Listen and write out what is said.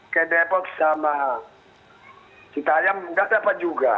ke depok sama cita yang tidak dapat juga